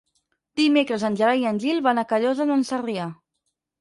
Dimecres en Gerai i en Gil van a Callosa d'en Sarrià.